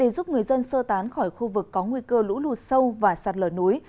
sau sơ tán khỏi khu vực có nguy cơ lũ lụt sâu và sạt lở núi